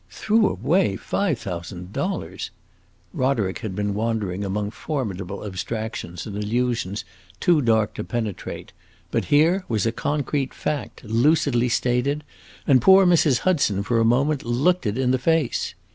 "Threw away five thousand dollars!" Roderick had been wandering among formidable abstractions and allusions too dark to penetrate. But here was a concrete fact, lucidly stated, and poor Mrs. Hudson, for a moment, looked it in the face.